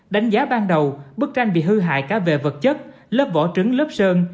đánh giá ban đầu bức tranh bị hư hại cả về vật chất lớp vỏ trứng lớp sơn